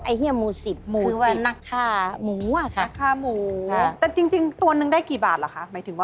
ไอ้เหี้ยมหมูสิบคือว่านักฆ่าหมูค่ะ